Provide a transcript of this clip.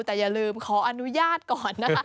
แต่อย่าลืมขออนุญาตก่อนนะคะ